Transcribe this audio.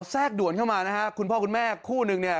แทรกด่วนเข้ามานะฮะคุณพ่อคุณแม่คู่นึงเนี่ย